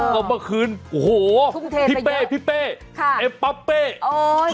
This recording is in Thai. กลับมาคืนโอ้โหพี่เป๊พี่เป๊เอ็บป๊ะเป๊เห็นไหมครับ